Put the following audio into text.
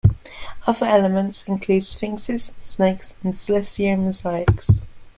Other elements include sphinxes, snakes, and celestial mosaics.